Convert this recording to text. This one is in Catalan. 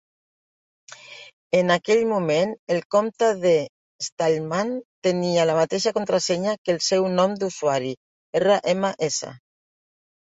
En aquell moment, el compte de Stallman tenia la mateixa contrasenya que el seu nom d'usuari: "rms".